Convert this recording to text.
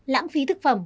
lãng phí thực phẩm